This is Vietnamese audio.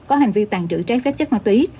có hành vi tàn trữ trái phép chất ma túy